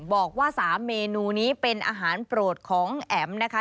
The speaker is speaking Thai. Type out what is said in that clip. บอกว่า๓เมนูนี้เป็นอาหารโปรดของแอ๋มนะคะ